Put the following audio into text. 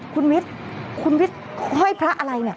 คุณวิทย์คุณวิทย์ห้อยพระอะไรเนี่ย